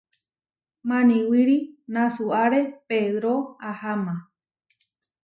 Maniwíri nasuare Pedró aháma.